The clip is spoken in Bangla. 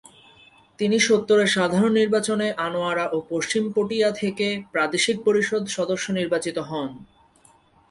তিনি সত্তরের সাধারণ নির্বাচনে আনোয়ারা ও পশ্চিম পটিয়া থেকে প্রাদেশিক পরিষদ সদস্য নির্বাচিত হন।